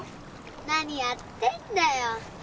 なにやってんだよ。